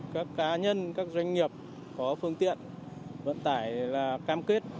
các cá nhân các doanh nghiệp có phương tiện vận tải là cam kết